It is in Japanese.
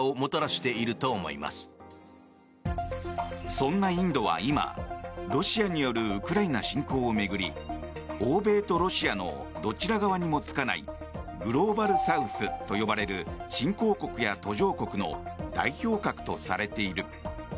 そんなインドは今ロシアによるウクライナ侵攻を巡り欧米とロシアのどちら側にもつかないグローバルサウスと呼ばれる新興国や途上国の代表格とされている。